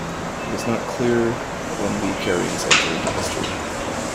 It is not clear when the Carians enter into history.